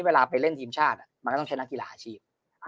เวลาไปเล่นทีมชาติมันก็ต้องใช้นักกีฬาอาชีพ